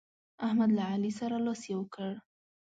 احمد له علي سره لاس يو کړ.